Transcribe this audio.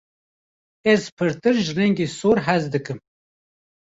Ez pirtir ji rengê sor hez dikim.